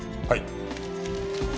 はい。